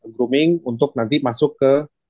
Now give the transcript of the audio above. grooming untuk nanti masuk ke